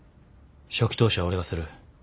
初期投資は俺がする。